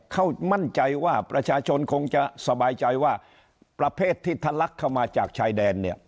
เขามั่นใจว่าประชาชนคงจะสบายใจว่าประเภทที่ทะลักเข้ามาจากชายแดนเนี่ย